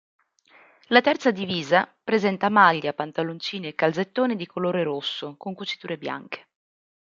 La terza divisa presenta maglia, pantaloncini e calzettoni di colore rosso con cuciture bianche.